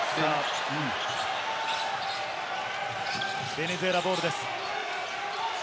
ベネズエラボールです。